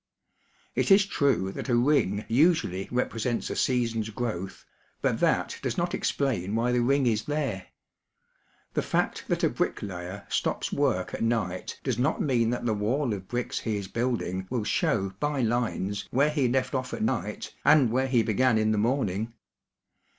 It is true that a ring usually represents a season's growth, but that does not explain why the ring is there. The fact that a bricklayer stops work at night does not mean that the wall of bricks he is building will show by lines where he left ofif at night and where he began in the morning.